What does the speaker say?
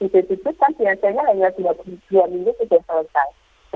di depresi kan biasanya hanya dua puluh jam ini sudah selesai